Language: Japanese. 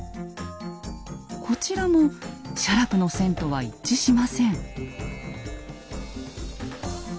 こちらも写楽の線とは一致しません。